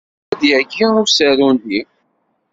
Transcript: Yebda-d yagi usaru-nni?